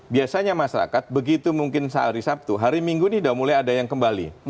biasanya masyarakat begitu mungkin sehari sabtu hari minggu ini sudah mulai ada yang kembali